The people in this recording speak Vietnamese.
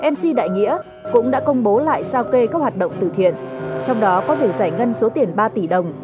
mc đại nghĩa cũng đã công bố lại sao kê các hoạt động từ thiện trong đó có thể giải ngân số tiền ba tỷ đồng